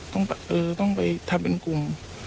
เออต้องไปทำเป็นกลุ่ม